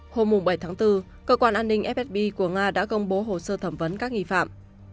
hôm bảy tháng bốn cơ quan an ninh fsb của nga đã công bố hồ sơ thẩm vấn các nghi phạm